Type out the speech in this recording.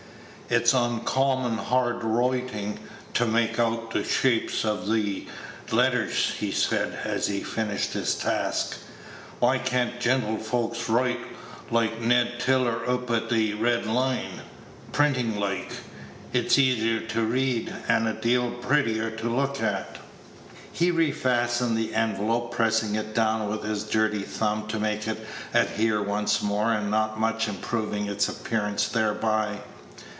"It's oncommon hard wroitin', t' make out th' shapes o' th' letters," he said, as he finished his task. "Why can't gentlefolks wroit like Ned Tiller oop at th' Red Lion printin' loike. It's easier to read, and a deal prettier to look at." He refastened the envelope, pressing it down with his dirty thumb to make it adhere once more, and not much improving its appearance thereby.